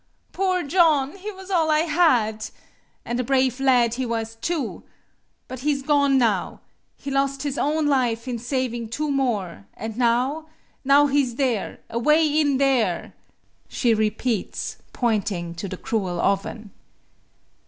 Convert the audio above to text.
"Poor John! He was all I had! And a brave lad he was, too! But he's gone now. He lost his own life in savin' two more, and now now he's there, away in there!" she repeats, pointing to the cruel oven.